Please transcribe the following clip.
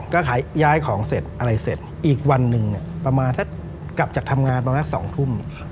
ก็ย้ายของเสร็จอะไรเสร็จอีกวันหนึ่งประมาณถ้ากลับจากทำงานประมาณ๒ทุ่ม